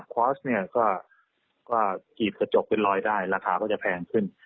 ควอร์สกรีดกระจกเป็นรอยได้ราคาก็จะแพงขึ้น